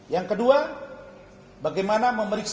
yang kedua bagaimana memeriksa